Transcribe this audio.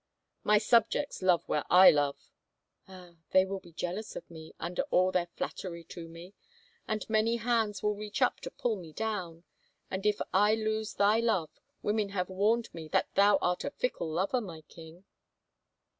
My subjects love where I love." Ah, they will be jealous of me, under all their flattery to me, and many hands will reach up to pull me down. And if I lose thy love — women have warned me that thou art a fickle lover, my king